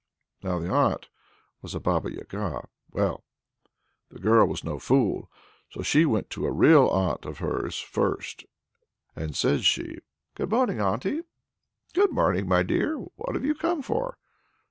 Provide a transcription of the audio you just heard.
Now that aunt was a Baba Yaga. Well, the girl was no fool, so she went to a real aunt of hers first, and says she: "Good morning, auntie!" "Good morning, my dear! what have you come for?"